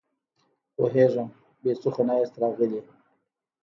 پوهېږم، بې څه خو نه ياست راغلي!